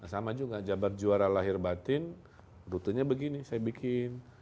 sama juga jabar juara lahir batin rutenya begini saya bikin